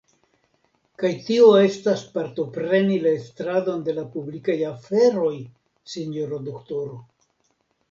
Kaj tio estas partopreni la estradon de la publikaj aferoj, sinjoro doktoro.